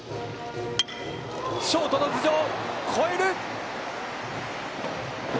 ショートの頭上越える！